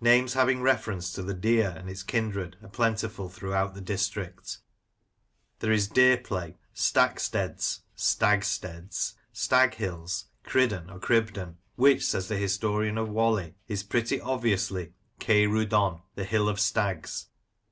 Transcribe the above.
Names having reference to the deer and its kindred are plentiful throughout the district ; there is Deerplay, Stacksteads [Stag steads], Staghills, Cridden, or Cribden, which, says the historian of Whalley, " is pretty obviously keiru don, the Hill of Stags.